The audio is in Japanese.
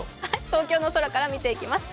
東京の空から見ていきます。